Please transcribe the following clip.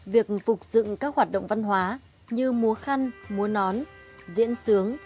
việc phục dựng các hoạt động văn hóa như múa khăn múa nón diễn sướng